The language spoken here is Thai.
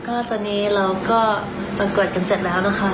ก็ตอนนี้เราก็ประกวดกันเสร็จแล้วนะคะ